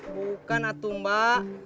bukan atung mbak